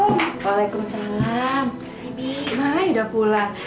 nah udah pulang